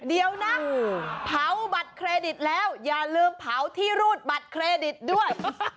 เดี๋ยวนะเผาบัตรเครดิตแล้วอย่าลืมเผาที่รูดบัตรเครดิตด้วย